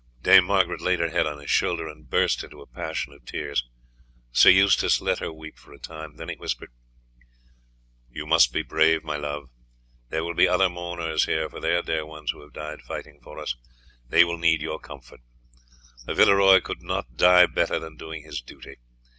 Dame Margaret laid her head on his shoulder, and burst into a passion of tears. Sir Eustace let her weep for a time, then he whispered: "You must be brave, my love. There will be other mourners here for their dear ones who have died fighting for us; they will need your comfort. A Villeroy could not die better than doing his duty.